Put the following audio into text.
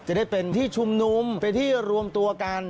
จะได้เป็นที่ชุมนุมเป็นที่รวมตัวกัน